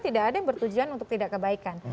tidak ada yang bertujuan untuk tidak kebaikan